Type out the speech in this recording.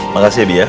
makasih ya dia